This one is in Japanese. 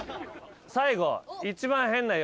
最後。